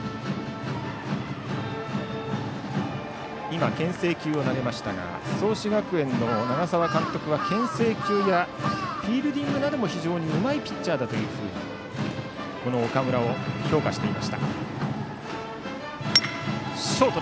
今、けん制球を投げましたが創志学園の長澤監督はけん制球やフィールディングなどが非常にうまいピッチャーだというふうに岡村を評価していました。